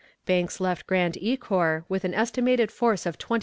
Banks left Grand Ecore with an estimated force of 25,000.